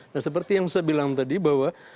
nah seperti yang saya bilang tadi bahwa